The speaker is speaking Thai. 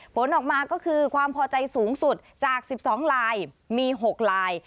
ผลออกมาก็คือความพอใจสูงสุดจาก๑๒ลายมี๖ลาย